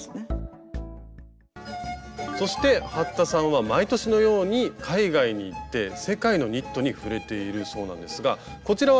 そして服田さんは毎年のように海外に行って世界のニットに触れているそうなんですがこちらはペルー？